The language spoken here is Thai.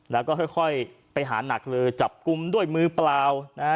แล้วก็ค่อยไปหานักเลยจับกลุ่มด้วยมือเปล่านะฮะ